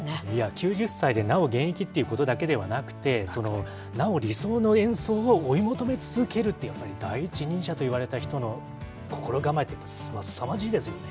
９０歳でなお現役ということだけではなくて、なお理想の演奏を追い求め続けるという、やっぱり第一人者といわれた人の心構えっていうのはすさまじいですよね。